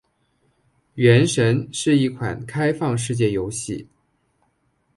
《原神》是一款开放世界游戏。